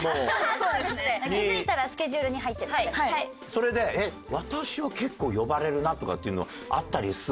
それで私は結構呼ばれるなとかっていうのあったりするの？